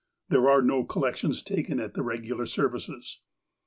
(There are no collections taken at the regu lar services.